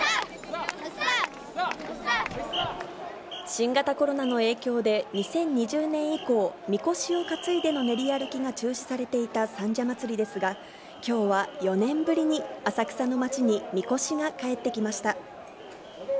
新型コロナの影響で、２０２０年以降、みこしを担いでの練り歩きが中止されていた三社祭ですが、きょうは４年ぶりに浅草の町にみこしが帰ってきました。